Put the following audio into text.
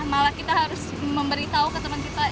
malah kita harus memberitahu ke teman kita